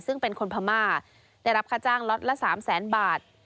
ซึ่งเป็นคนพม่าได้รับค่าจ้างล็อตละ๓แสนบาท